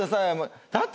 だって